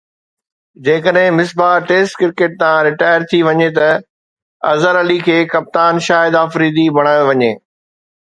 جيڪڏهن Misbah test cricket تان retire ٿي وڃي ته اظهر علي کي ڪپتان شاهد آفريدي بڻايو وڃي